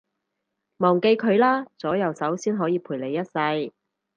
忘記佢啦，左右手先可以陪你一世